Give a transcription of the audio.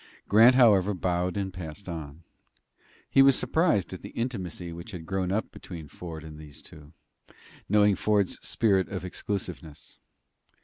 Grant, however, bowed and passed on. He was surprised at the intimacy which had grown up between Ford and those two, knowing Ford's spirit of exclusiveness.